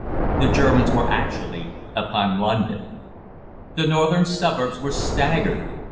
The Germans were actually upon London! The northern suburbs were staggered.